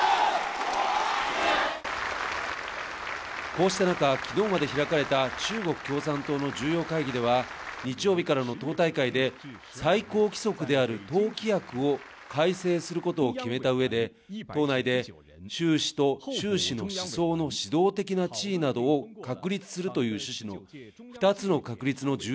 こうした中、昨日まで開かれた中国共産党の重要会議では日曜日からの党大会で、最高規則である党規約を改正することを決めた上で党内で、シュウ氏とシュウ氏の思想の地位などを確立するという趣旨の２つの確立の重